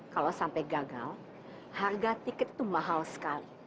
kalau sampai gagal harga tiket itu mahal sekali